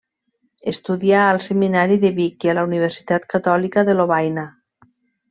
Estudià al seminari de Vic i a la Universitat Catòlica de Lovaina.